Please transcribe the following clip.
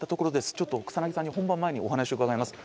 ちょっと草さんに本番前にお話を伺います。